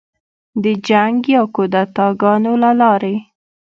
د جنګ یا کودتاه ګانو له لارې